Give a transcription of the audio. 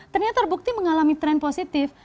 ternyata terbukti mengalami tren positif